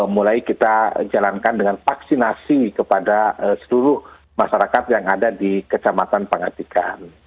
mulai kita jalankan dengan vaksinasi kepada seluruh masyarakat yang ada di kecamatan pangatikan